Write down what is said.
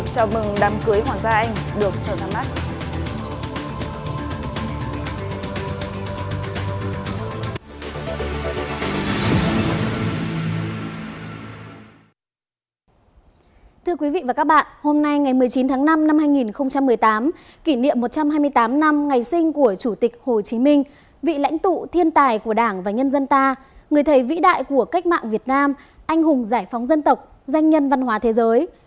các bạn hôm nay ngày một mươi chín tháng năm năm hai nghìn một mươi tám kỷ niệm một trăm hai mươi tám năm ngày sinh của chủ tịch hồ chí minh vị lãnh tụ thiên tài của đảng và nhân dân ta người thầy vĩ đại của cách mạng việt nam anh hùng giải phóng dân tộc danh nhân văn hóa thế giới